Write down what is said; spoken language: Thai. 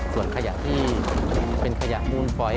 ส่วนขยะที่เป็นขยะมูลฟอย